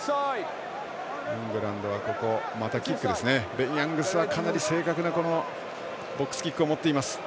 ベン・ヤングスはかなり正確なボックスキックを持っています。